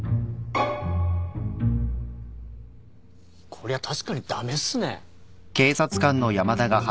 こりゃ確かに駄目っすね。